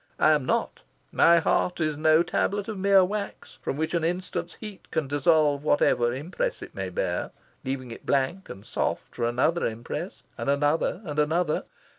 I am not. My heart is no tablet of mere wax, from which an instant's heat can dissolve whatever impress it may bear, leaving it blank and soft for another impress, and another, and another.